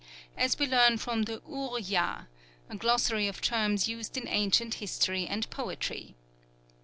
as we learn from the Urh ya, a glossary of terms used in ancient history and poetry.